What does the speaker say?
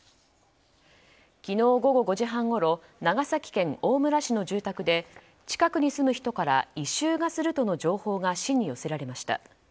昨日午後５時半ごろ長崎県大村市の住宅で近くに住む人から異臭がするとの情報が市に寄せられました。